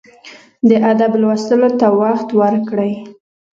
د ادب لوستلو ته وخت ورکړئ.